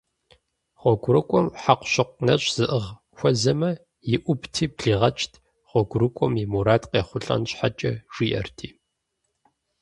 ГъуэгурыкӀуэм хьэкъущыкъу нэщӀ зыӀыгъ хуэзэмэ, иӀубти блигъэкӀт, гъуэгурыкӀуэм и мурад къехъулӀэн щхьэкӀэ, жиӀэрти.